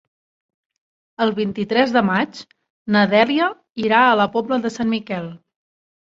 El vint-i-tres de maig na Dèlia irà a la Pobla de Sant Miquel.